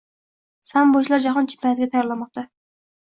Sambochilar jahon chempionatiga tayyorlanmoqdang